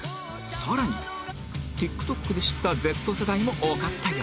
さらに ＴｉｋＴｏｋ で知った Ｚ 世代も多かったようです